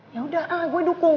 yaudah gue dukung